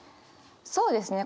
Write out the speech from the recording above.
そうですね